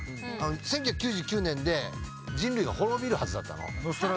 １９９９年で人類は滅びるはずだったの。